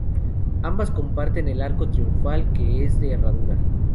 Ambas comparten el arco triunfal, que es de herradura.